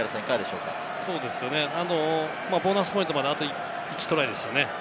ボーナスポイントまで、あと１トライですね。